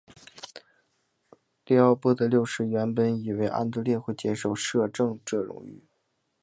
利奥波德六世原本以为安德烈会接受摄政这荣誉。